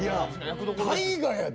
「大河」やで！